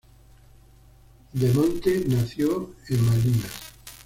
De Monte nació en Malinas.